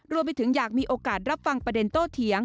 รวมไปถึงอยากมีโอกาสรับฟังประเด็นโต้เถียง